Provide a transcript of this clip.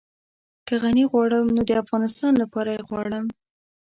که غني غواړم نو د افغانستان لپاره يې غواړم.